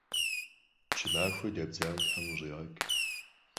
Çı maxue debdzaue them khış'iğeç'!